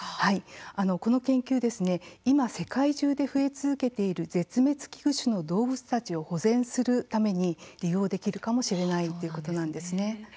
この研究、今世界中で増え続けている絶滅危惧種の動物たちを保全するために利用できるかもしれないということなんですね。